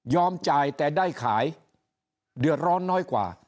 จ่ายแต่ได้ขายเดือดร้อนน้อยกว่า